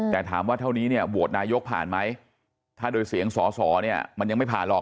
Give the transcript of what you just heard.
แต่ถามว่าเท่านี้เนี่ยโหวตนายกผ่านไหมถ้าโดยเสียงสอสอเนี่ยมันยังไม่ผ่านหรอก